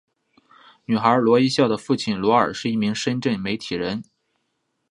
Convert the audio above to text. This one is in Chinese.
女孩罗一笑的父亲罗尔是一名深圳媒体人。